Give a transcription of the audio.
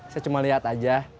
saya cuma liat aja